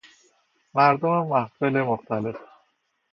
مردم محفل مختلف